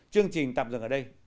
chương trình tạm dừng ở đây